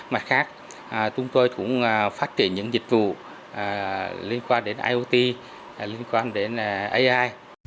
mặt khác chúng tôi cũng phát triển những dịch vụ liên quan đến iot liên quan đến ai